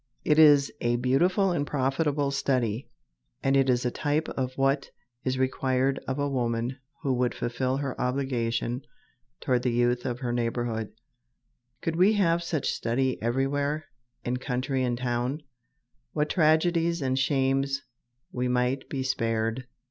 It is a beautiful and profitable study, and it is a type of what is required of a woman who would fulfill her obligation toward the youth of her neighborhood. Could we have such study everywhere in country and town, what tragedies and shames we might be spared!